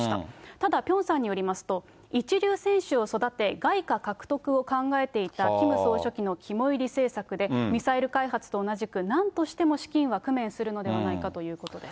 ただピョンさんによりますと、一流選手を育て、外貨獲得を考えていたキム総書記の肝煎り政策で、ミサイル開発と同じく、なんとしても資金は工面するのでないかということです。